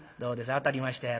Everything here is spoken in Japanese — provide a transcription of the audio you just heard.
当たりましたやろ。